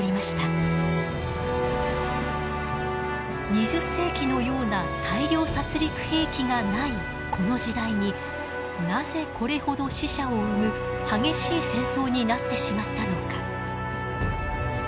２０世紀のような大量殺戮兵器がないこの時代になぜこれほど死者を生む激しい戦争になってしまったのか。